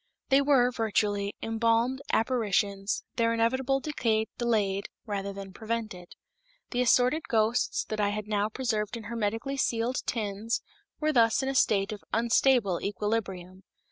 They were, virtually, embalmed apparitions, their inevitable decay delayed, rather than prevented. The assorted ghosts that I had now preserved in hermetically sealed tins were thus in a state of unstable equilibrium.